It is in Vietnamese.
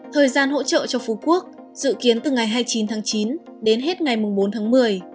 thời gian hỗ trợ cho phú quốc dự kiến từ ngày hai mươi chín tháng chín đến hết ngày bốn tháng một mươi